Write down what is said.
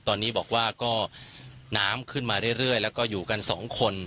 ตอนนี้บอกว่าก็น้ำขึ้นมาเรื่อยแล้วก็อยู่กันสองคน